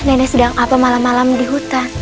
nenek sedang apa malam malam di hutan